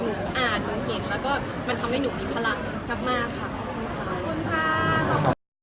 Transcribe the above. หนูอ่านหนูเห็นแล้วก็มันทำให้หนูมีพลังคักมากค่ะ